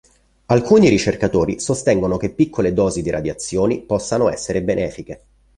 Alcuni ricercatori sostengono che piccole dosi di radiazioni possano essere benefiche.